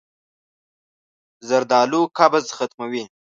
زردالو قبض ختموي.